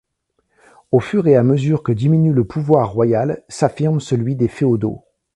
Au fur et à mesure que diminue le pouvoir royal s'affirme celui des féodaux.